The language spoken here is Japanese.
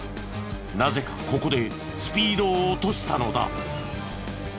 なぜかここでスピードを落としたのだ。